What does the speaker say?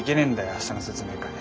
明日の説明会。